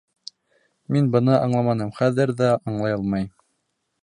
Мин быны аңламаным, хәҙер ҙә аңлай алмайым.